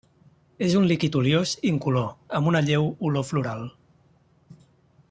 És un líquid oliós incolor amb una lleu olor floral.